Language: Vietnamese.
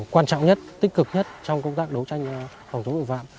quan trọng nhất tích cực nhất trong công tác đấu tranh phòng chống tội phạm